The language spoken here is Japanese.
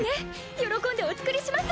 喜んでお作りします！